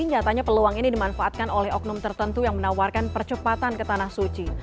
nyatanya peluang ini dimanfaatkan oleh oknum tertentu yang menawarkan percepatan ke tanah suci